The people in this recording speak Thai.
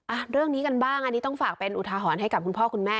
อ่ะเรื่องนี้กันบ้างอันนี้ต้องฝากเป็นอุทาหรณ์ให้กับคุณพ่อคุณแม่